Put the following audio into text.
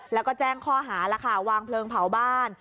แล้วก็แจ้งข้อหาแล้วค่ะวางเพลิงเผาบ้าน